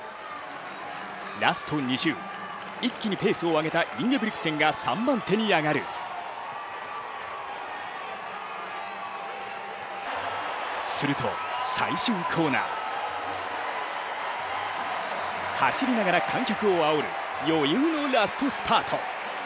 ラスト２周、一気にペースを上げたインゲブリクセンが３番手に上がるすると最終コーナー、走りながら観客をあおる、余裕のラストスパート。